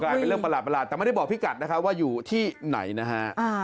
เป็นเรื่องประหลาดแต่ไม่ได้บอกพี่กัดนะครับว่าอยู่ที่ไหนนะฮะ